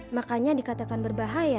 makanya dikatakan berbahaya